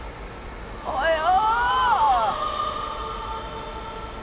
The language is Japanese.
およ！